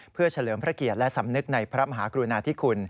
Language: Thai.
เพื่อเฉลิมพระเกียรติและสำนึกในพระมหากรุณาธิคุณ